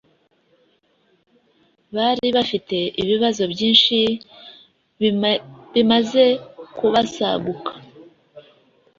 bari bafite ibibazo byinshi bimaze kubasaguka;